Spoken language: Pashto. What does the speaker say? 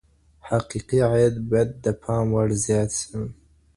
حقيقي عايد به د پام وړ زيات سي.